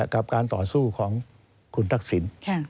กับการต่อสู้ของคุณทักษิณ